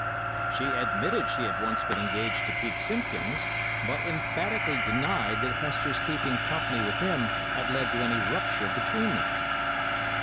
She admitted she had once been engaged to Pete Simpkins, but emphatically denied that Hester's keeping company with him had led to any rupture between them.